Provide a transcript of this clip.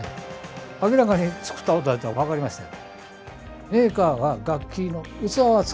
明らかに作った音だって分かりましたよ。